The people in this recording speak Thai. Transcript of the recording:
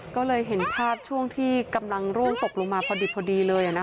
ก็เลยเห็นภาพช่วงที่กำลังร่วงตกลงมาพอดีเลย